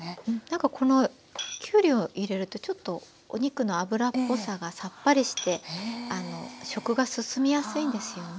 なんかこのきゅうりを入れるとちょっとお肉の脂っぽさがさっぱりして食が進みやすいんですよね。